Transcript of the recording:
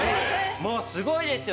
もうすごいですよ。